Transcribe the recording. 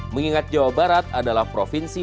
mengingat jawa barat adalah provinsi